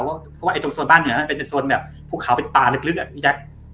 เพราะว่าตรงโซนบ้านเหนือมันเป็นโซนแบบภูเขาเป็นป่าลึกอะพี่แจ๊ค